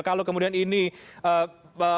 kalau kemudian ini memang terlalu banyak